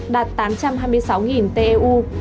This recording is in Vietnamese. đạt tám trăm hai mươi sáu teu